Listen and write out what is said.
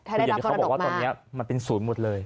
คืออย่างที่เขาบอกว่าตอนนี้มันเป็นศูนย์หมดเลย